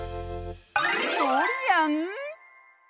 ドリアン？